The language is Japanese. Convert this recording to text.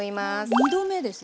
２度目ですね。